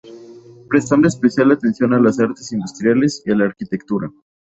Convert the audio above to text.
Prestando especial atención a las artes industriales y a la arquitectura.